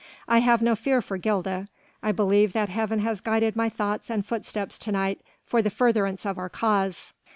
I have no fear for Gilda. I believe that Heaven has guided my thoughts and footsteps to night for the furtherance of our cause."